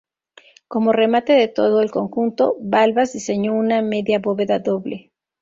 Como remate de todo el conjunto, Balbás diseñó una media bóveda doble.